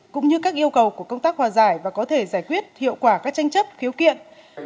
cũng như các yêu cầu của công tác hòa giải và có thể giải quyết hiệu quả các tranh chấp khiếu kiện